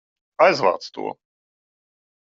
Aizvāc to!